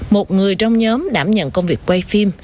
một người trong nhóm đảm nhận công việc quay phim